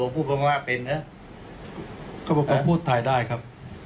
ผู้ประมาทเป็นหรือเขาบอกว่าพูดถ่ายได้ครับ